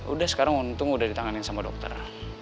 udah sekarang untung udah ditanganin sama dokter